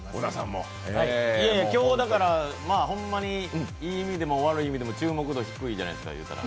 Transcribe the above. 今日、ほんまにいい意味でも悪い意味でも、注目度低いじゃないですか、言うたら。